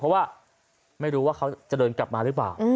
เพราะว่าไม่รู้ว่าเขาจะเดินกลับมาหรือเปล่า